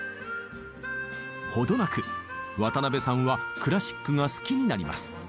程なく渡辺さんはクラシックが好きになります。